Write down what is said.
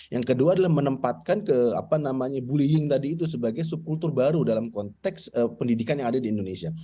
yang kedua adalah menempatkan ke apa namanya bullying tadi itu sebagai subkultur baru dalam konteks pendidikan yang ada di indonesia